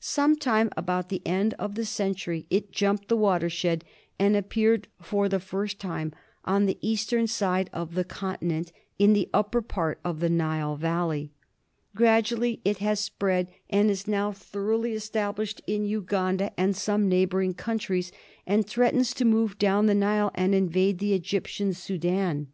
Some time about the end of the century it jumped the watershed and appeared for the first time on the eastern side of the continent, in the upper part of the Nile Valley. Gradually it has spread and is now thoroughly established in Uganda and some neighbouring countries, and threatens to move down the Nile and invade the Egyptian Soudan.